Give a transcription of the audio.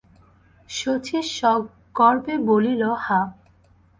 শচীশ সগর্বে বলিল, হাঁ।